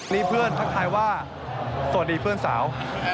มีเพื่อนทักทายว่าสวัสดีเพื่อนสาว